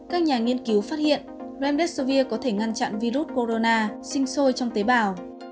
các nhà nghiên cứu phát hiện ramdeshvir có thể ngăn chặn virus corona sinh sôi trong tế bào